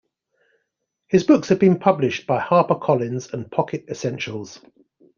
His books have been published by HarperCollins and Pocket Essentials.